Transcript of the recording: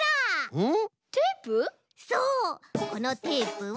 うん！